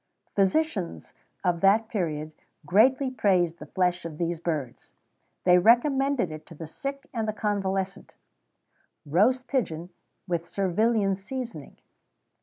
[XVII 95] Physicians of that period greatly praised the flesh of these birds; they recommended it to the sick and convalescent.[XVII 96] _Roast Pigeon, with Servilian Seasoning.